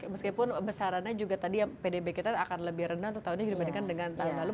meskipun besarannya juga tadi yang pdb kita akan lebih rendah satu tahunnya dibandingkan dengan tahun lalu